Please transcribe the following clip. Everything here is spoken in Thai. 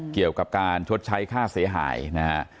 เกี่ยวกับการชดใช้ค่าเสียหายนะฮะ